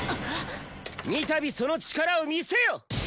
三度その力を見せよ！